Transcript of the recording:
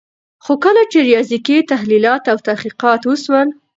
خو کله چي ریاضیکي تحلیلات او تحقیقات وسول